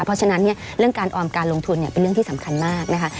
เพราะฉะนั้นเนี่ยเรื่องการออมการลงทุนเป็นเรื่องที่สำคัญมากนะคะ